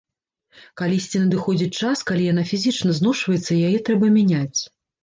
Калісьці надыходзіць час, калі яна фізічна зношваецца і яе трэба мяняць.